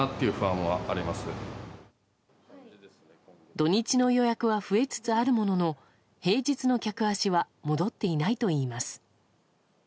土日の予約は増えつつあるものの平日の客足は戻っていないといいます。